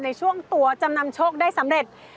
ในช่วงตัวจำนำโชคได้สำเร็จ